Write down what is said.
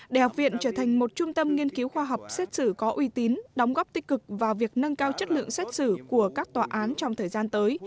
để học viện trở thành một trung tâm nghiên cứu khoa học xét xử có uy tín đóng góp tích cực vào việc nâng cao chất lượng xét xử của các tòa án trong thời gian tới